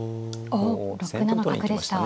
おっ６七角でした。